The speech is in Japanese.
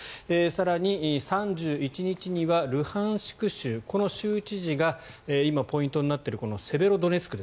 更に、３１日にはルハンシク州、この州知事が今、ポイントになっているセベロドネツク